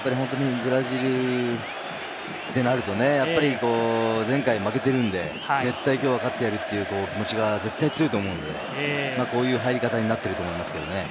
ブラジルとなると、前回負けているので、絶対今日は勝ってやるという気持ちが強いと思うので、こういう入り方になっていると思います。